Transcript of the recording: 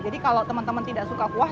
kalau teman teman tidak suka kuah